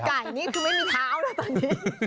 ไก่นี่คือไม่มีเท้านะตอนนี้